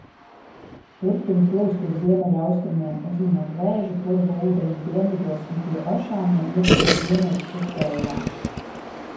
Turpina plūst uz ziemeļaustrumiem, uzņemot Vēžu purva ūdeņus dienvidos un pie Ošāniem ietek Ziemeļsusējā.